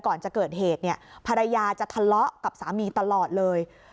ก่อนจะเกิดเหตุเนี่ยภรรยาจะทะเลาะกับสามีตลอดเลย